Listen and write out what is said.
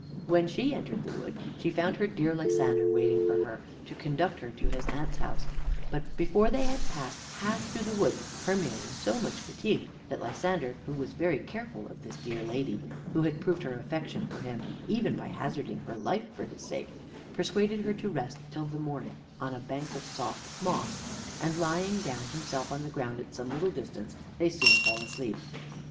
When she entered the wood, she found her dear Lysander waiting for her, to conduct her to his aunt's house; but before they had passed half through the wood, Hermia was so much fatigued, that Lysander, who was very careful of this dear lady, who had proved her affection for him even by hazarding her life for his sake, persuaded her to rest till morning on a bank of soft moss, and lying down himself on the ground at some little distance, they soon fell fast asleep.